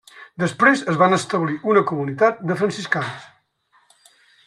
Després es van establir una comunitat de franciscans.